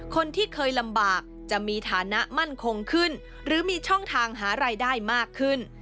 คนที่เคยลำบากจะมีฐานะมั่นคงขึ้นหรือมีช่องทางหารายได้มากขึ้น